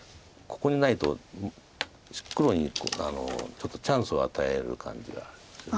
ここにないと黒にちょっとチャンスを与える感じがする。